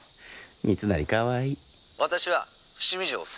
三成かわいい。